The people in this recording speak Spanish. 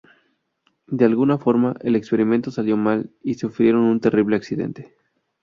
De alguna forma, el experimento salió mal y sufrieron un terrible accidente.